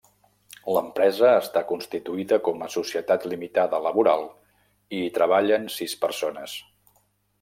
L'empresa està constituïda com a societat limitada laboral i hi treballen sis persones.